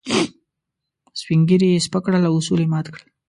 سپين ږيري يې سپک کړل او اصول يې مات کړل.